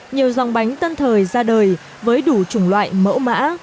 nhiều dòng bánh tân thời ra đời với đủ chủng loại mẫu mã